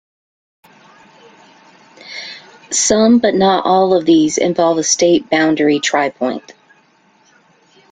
Some, but not all, of these involve a state boundary tripoint.